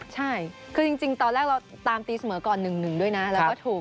ใช่คือจริงตอนแรกเราตามตีเสมอก่อน๑๑ด้วยนะแล้วก็ถูก